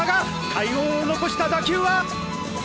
快音を残した打球は！